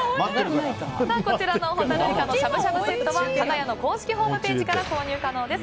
ほたるいかのしゃぶしゃぶセットは加賀屋の公式ホームページから購入可能です。